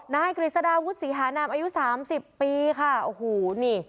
นายกริสดาวุฒิฮานามอายุสามสิบปีค่ะโอ้โหนี่